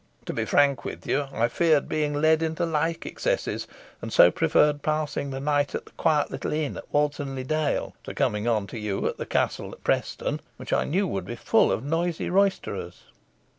To be frank with you, I feared being led into like excesses, and so preferred passing the night at the quiet little inn at Walton le Dale, to coming on to you at the Castle at Preston, which I knew would be full of noisy roysterers."